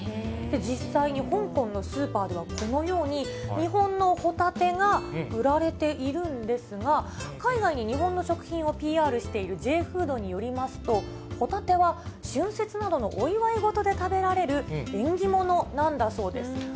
実際に香港のスーパーではこのように、日本のホタテが売られているんですが、海外に日本の食品をＰＲしているＪＦＯＯＤによりますと、ホタテは春節などのお祝い事で食べられる縁起物なんだそうです。